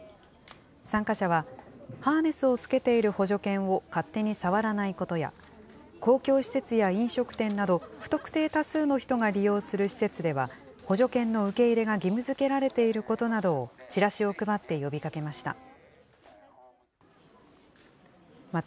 参加者は、ハーネスをつけている補助犬を、勝手に触らないことや、公共施設や飲食店など不特定多数の人が利用する施設では、補助犬の受け入れが義務づけられていることなどを、チラシを配って呼びかけました。